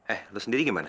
eh anda sendiri gimana